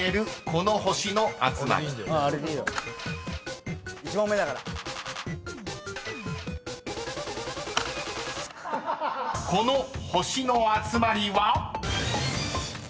［この星の集まりは］